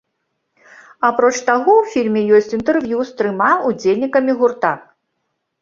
Апроч таго, у фільме ёсць інтэрв'ю з трыма ўдзельнікамі гурта.